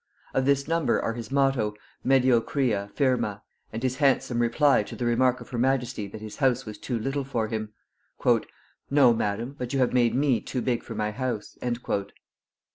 Of this number are his motto, "Mediocria firma," and his handsome reply to the remark of her majesty that his house was too little for him; "No, madam; but you have made me too big for my house."